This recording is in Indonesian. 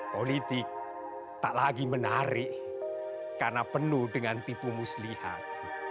politik tak lagi menarik karena penuh dengan tipu muslihat